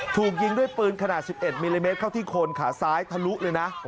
ถูกยิงด้วยปืนขนาด๑๑มิลลิเมตรเข้าที่โคนขาซ้ายทะลุเลยนะ